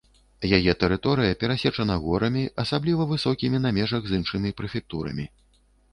Яе тэрыторыя перасечана горамі, асабліва высокімі на межах з іншымі прэфектурамі.